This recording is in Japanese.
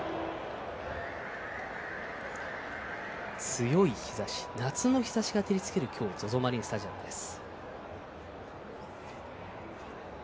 強い日ざし夏の日ざしが照りつける、今日ＺＯＺＯマリンスタジアムです。